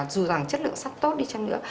dù rằng chất lượng sắt tốt đi chăng nữa